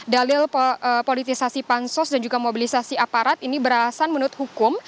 dalil politisasi pansos dan juga mobilisasi aparat ini beralasan menurut hukum